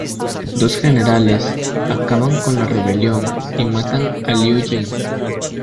Dos generales acaban con la rebelión y matan a Liu Jin.